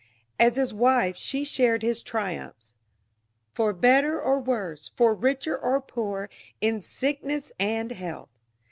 As his wife she shared his triumphs. "For better or worse, for richer or poorer, in sickness and health..."